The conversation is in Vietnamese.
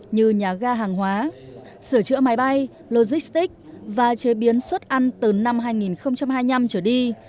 như nhà ga hàng hóa sửa chữa máy bay logistics và chế biến xuất ăn từ năm hai nghìn hai mươi năm trở đi